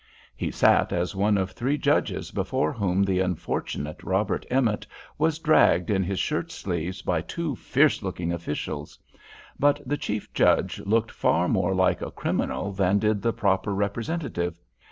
He sat as one of three judges before whom the unfortunate Robert Emmet was dragged in his shirt sleeves, by two fierce looking officials; but the chief judge looked far more like a criminal than did the proper representative.